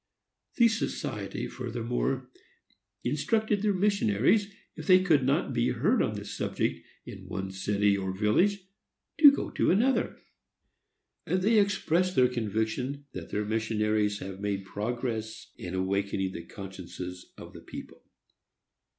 The society furthermore instructed their missionaries, if they could not be heard on this subject in one city or village, to go to another; and they express their conviction that their missionaries have made progress in awakening the consciences of the people.